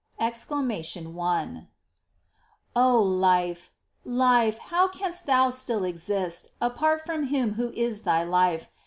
EXCLAMATION I. I, Oh, life, life, how canst thou still exist, apart from Him Who is thy Life